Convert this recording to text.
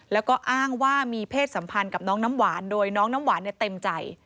แล้วก็อ้างว่ามีเพศสัมพันธ์กับน้องน้ำหวานโดยน้องน้ำหวานเต็มใจ